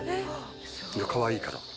いや、かわいいから！